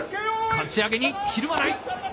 かち上げにひるまない。